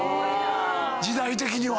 時代的には。